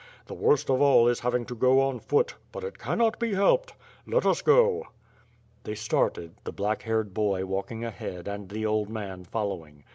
The worst of all is having to go on foot, but it cannot be helped, let us go!" They started, the black haired boy walking ahead and the old man following.